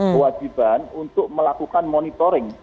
kewajiban untuk melakukan monitoring